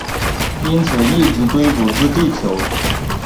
因此一直追捕至地球。